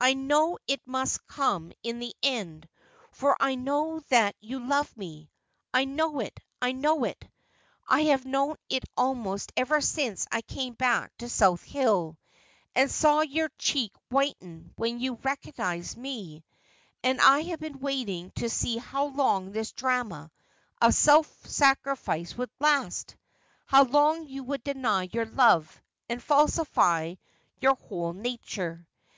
I knew it must come in the end, for I know that you love me — I know it — I know it. I have known it almost ever since I came back to South Hill, and saw your cheek whiten when you recognised me ; and I have been waiting to see how long this drama of self sacrifice would last — how long you would deny your love, and falsify your whole nature.